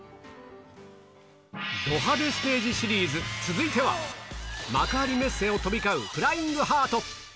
ド派手ステージシリーズ、続いては、幕張メッセを飛び交うフライングハート。